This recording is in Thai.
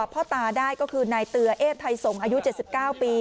พ่อตาได้ก็คือนายเตือเอสไทยสงฆ์อายุ๗๙ปี